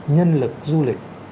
nhân lực du lịch